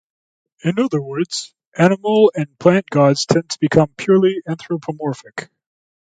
In other words, animal and plant gods tend to become purely anthropomorphic.